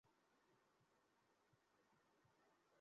তারা যতই বলুক আমাদের স্পেস নেই, আমরা রাজনীতি করতে পারছি না।